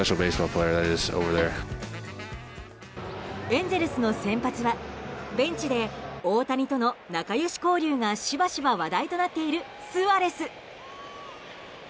エンゼルスの先発はベンチで大谷との仲良し交流がしばしば話題となっているスアレス。